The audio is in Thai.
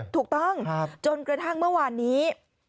ถูกต้องจนกระทั่งเมื่อวานนี้